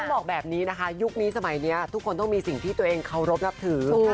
บอกแบบนี้นะคะยุคนี้สมัยนี้ทุกคนต้องมีสิ่งที่ตัวเองเคารพนับถือ